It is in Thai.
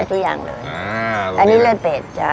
ทุกอย่างเลยอันนี้เลือดเป็ดจ๊ะ